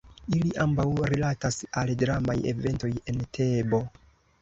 Ili ambaŭ rilatas al dramaj eventoj en Tebo.